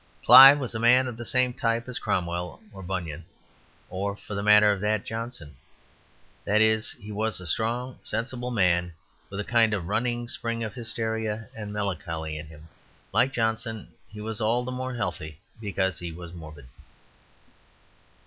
Clive was a man of the same type as Cromwell or Bunyan, or, for the matter of that, Johnson that is, he was a strong, sensible man with a kind of running spring of hysteria and melancholy in him. Like Johnson, he was all the more healthy because he was morbid.